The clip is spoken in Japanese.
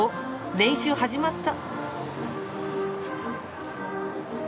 練習始まった。